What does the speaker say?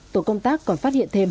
tổ công tác còn phát hiện thêm